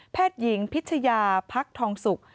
แพทยิงพิชยาภักดิ์ทองศุกร์